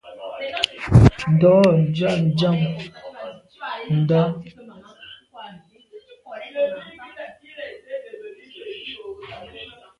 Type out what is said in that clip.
Ndo ndia nnjam ndà.